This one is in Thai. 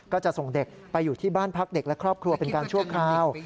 ก็จะส่งเด็กไปอยู่ที่บ้านพักเด็กและครอบครัวเป็นการชั่วคราว